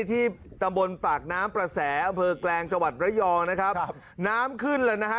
นี่แหละครับเพียงทะเล